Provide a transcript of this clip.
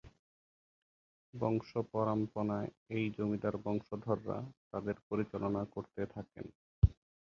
বংশপরামপণায় এই জমিদার বংশধররা তাদের পরিচালনা করতে থাকেন।